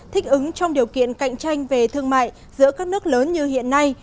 thích ứng trong điều kiện cạnh tranh về thương mại giữa các nước lớn như hiện nay